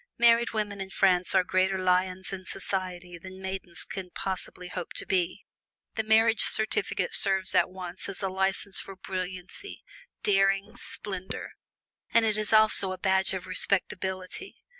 Married women in France are greater lions in society than maidens can possibly hope to be. The marriage certificate serves at once as a license for brilliancy, daring, splendor, and it is also a badge of respectability.